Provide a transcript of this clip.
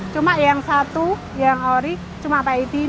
cuma yang satu yang ori cuma paiti